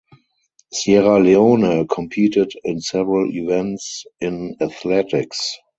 Sierra Leone competed in several events in athletics.